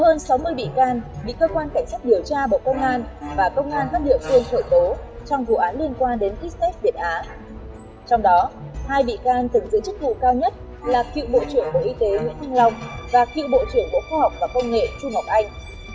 trong đó hai bị can từng giữ chức vụ cao nhất là cựu bộ trưởng bộ y tế nguyễn thanh long và cựu bộ trưởng bộ khoa học và công nghệ trung ngọc anh